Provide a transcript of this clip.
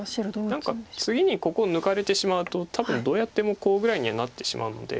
何か次にここ抜かれてしまうと多分どうやってもコウぐらいにはなってしまうので。